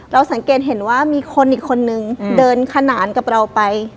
สังเกตเห็นว่ามีคนอีกคนนึงเดินขนานกับเราไป